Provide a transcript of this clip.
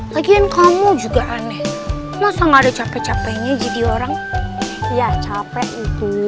lagi kan kamu juga aneh masa nggak ada capek capeknya jadi orang ya capek ibu